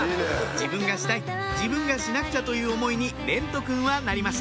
自分がしたい自分がしなくちゃという思いに蓮和くんはなりました